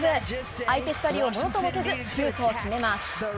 相手２人をものともせず、シュートを決めます。